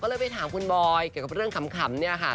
ก็ไปถามคุณบอยกันเรื่องขำเนี่ยค่ะ